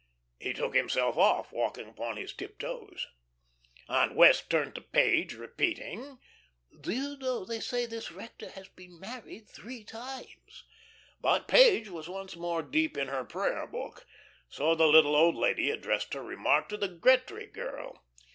He took himself off, walking upon his tiptoes. Aunt Wess' turned to Page, repeating: "Do you know they say this rector has been married three times?" But Page was once more deep in her prayer book, so the little old lady addressed her remark to the Gretry girl.